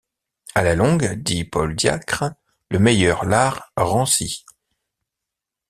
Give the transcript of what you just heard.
À la longue, dit Paul Diacre, le meilleur lard rancit.